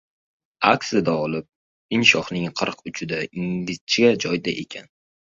Aksiga olib, in shoxning qir uchida, ingichka joyda ekan.